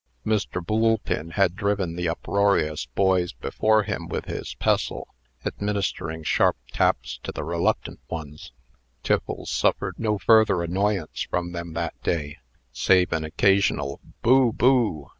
Mr. Boolpin had driven the uproarious boys before him with his pestle, administering smart taps to the reluctant ones. Tiffles suffered no further annoyance from them that day, save an occasional "Boo! boo!"